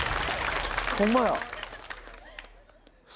ホンマや！